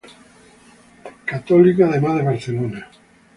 Católica, además de Barcelona.